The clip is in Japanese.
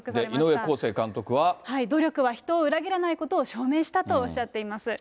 井上康生監督は、努力は人を裏切らないことを証明したとおっしゃっています。